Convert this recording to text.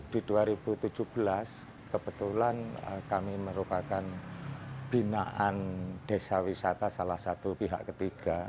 di dua ribu tujuh belas kebetulan kami merupakan binaan desa wisata salah satu pihak ketiga